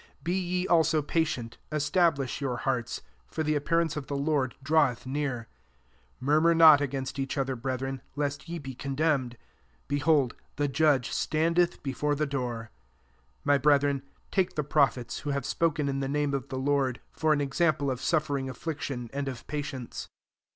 8 Be ye also patient; establish your hearts; for the appearance of the Lord draweth near. 9 Murmur not against each other, brethren, lest ye be condemned : behold, the judge standeth before the door. 10 My brethren, take the prophets, who have spoken in the name of the Lord, for an example of suffering afHiction, and of patience.